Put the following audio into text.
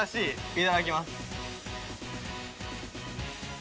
いただきます。